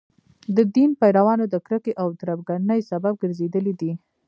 د دین پیروانو د کرکې او تربګنیو سبب ګرځېدلي دي.